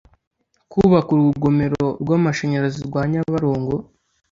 kubaka urugomero rw amashanyarazi rwa Nyabarongo